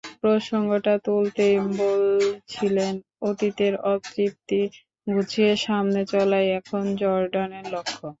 প্রসঙ্গটা তুলতেই বলছিলেন, অতীতের অতৃপ্তি ঘুচিয়ে সামনে চলাই এখন জর্ডানের লক্ষ্য।